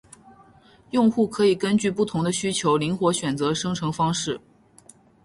用户可以根据不同的需求灵活选择生成方式